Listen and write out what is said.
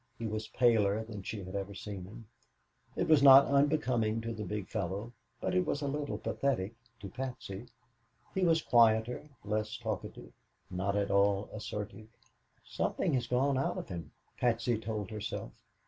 He was paler than she had ever seen him. It was not unbecoming to the big fellow, but it was a little pathetic to Patsy. He was quieter, less talkative, not at all assertive. "Something has gone out of him," Patsy told herself.